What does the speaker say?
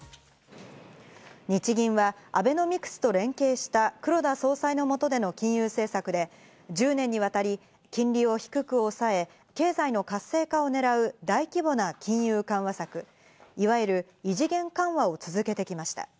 日銀はアベノミクスと連携した黒田総裁の下での金融政策で、１０年にわたり金利を低く抑え、経済の活性化を狙う大規模な金融緩和策、いわゆる異次元緩和を続けてきました。